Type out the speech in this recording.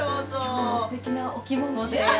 今日もすてきなお着物でやっぱり。